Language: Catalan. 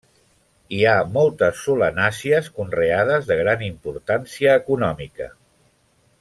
Hi ha moltes solanàcies conreades de gran importància econòmica.